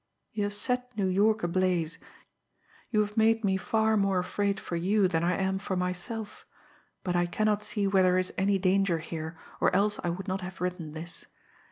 "You have set New York ablaze, you have made me far more afraid for you than I am for myself; but I cannot see where there is any danger here, or else I would not have written this.